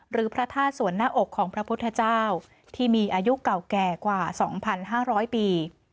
พระธาตุส่วนหน้าอกของพระพุทธเจ้าที่มีอายุเก่าแก่กว่า๒๕๐๐ปี